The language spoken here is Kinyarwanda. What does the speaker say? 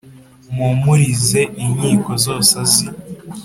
Mpumurize inkiko zose azi